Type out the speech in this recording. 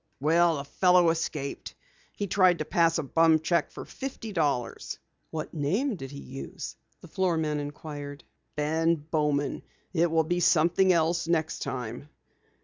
"Well, the fellow escaped! He tried to pass a bum cheque for fifty dollars." "What name did he use?" the floorman inquired. "Ben Bowman. It will be something else next time."